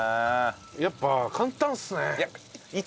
やっぱ簡単ですね。